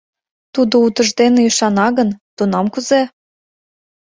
— Тудо утыждене ӱшана гын, тунам кузе?